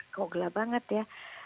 kok gelap banget ya